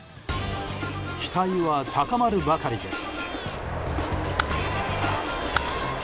期待は高まるばかりです。